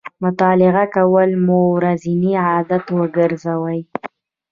مطالعه کول مو ورځنی عادت وګرځوئ